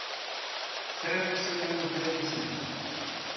Trid isura n uferriɣ ussnan?